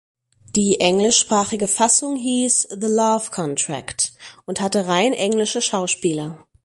Die englischsprachige Fassung hieß "The Love Contract" und hatte rein englische Schauspieler.